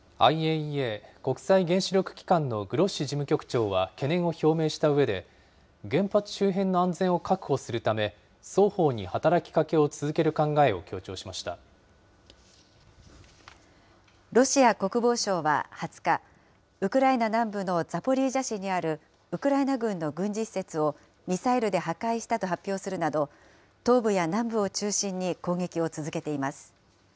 ＩＡＥＡ・国際原子力機関のグロッシ事務局長は懸念を表明したうえで、原発周辺の安全を確保するため、双方に働きかけを続けロシア国防省は２０日、ウクライナ南部のザポリージャ市にあるウクライナ軍の軍事施設をミサイルで破壊したと発表するなど、東部や南部を中心に攻撃を続けています。